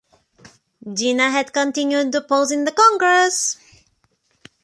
Jinnah had continued opposing the Congress.